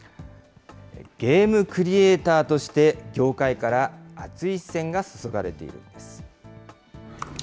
ゲームクリエーターとして、業界から熱い視線が注がれているんです。